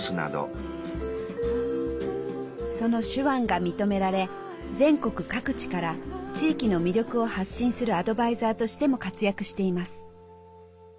その手腕が認められ全国各地から地域の魅力を発信するアドバイザーとしても活躍しています。